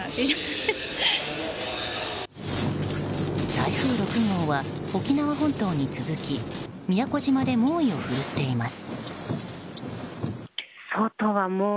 台風６号は沖縄本島に続き宮古島で猛威を振るっています。